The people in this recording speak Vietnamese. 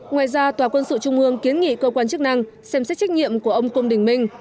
ngoài ra tòa quân sự trung ương kiến nghị cơ quan chức năng xem xét trách nhiệm của ông cung đình minh